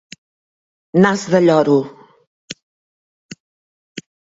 Nas de lloro.